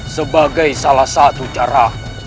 sebagai salah satu cara